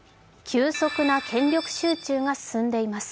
急速な権力集中が進んでいます。